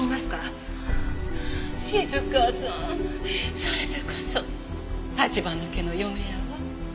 静香さんそれでこそ橘家の嫁やわ。